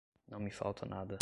não me falta nada.